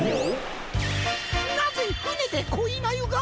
なぜふねでこいまゆが？